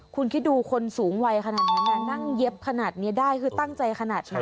คุณคิดดูคนสูงวัยขนาดนั้นนั่งเย็บขนาดนี้ได้คือตั้งใจขนาดไหน